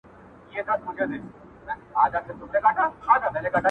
كليوال بـيــمـار ، بـيـمــار ، بــيـمار دى.